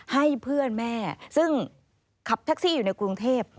ให้เพื่อนแม่ซึ่งขับแท็กซี่อยู่ในกรุงเทพ